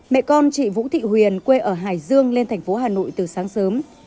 mẹ con chị vũ thị huyền quê ở hải dương lên thành phố hà nội từ sáng sớm